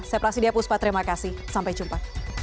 saya prasidya puspa terima kasih sampai jumpa